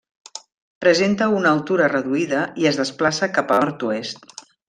Presenta una altura reduïda i es desplaça cap al nord-oest.